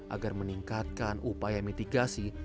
agar meningkatkan upaya mitigasi